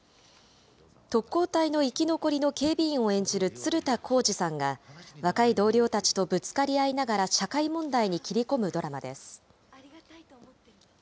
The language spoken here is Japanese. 特攻隊の生き残りの警備員を演じる鶴田浩二さんが、若い同僚たちとぶつかり合いながら社会問題に切り込むドラマです。